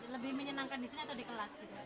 lebih menyenangkan di sini atau di kelas